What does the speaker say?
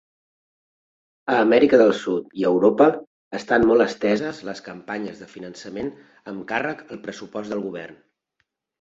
A Amèrica del Sud i a Europa estan molt esteses les campanyes de finançament amb càrrec al pressupost del govern.